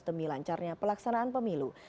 demi lancarnya pelaksanaan pemilu